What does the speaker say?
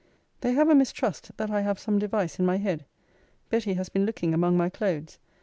They have a mistrust that I have some device in my head. Betty has been looking among my clothes.